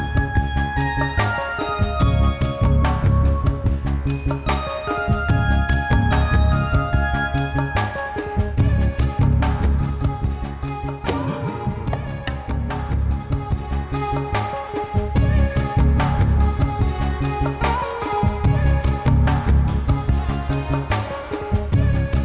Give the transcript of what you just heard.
sampai jumpa lagi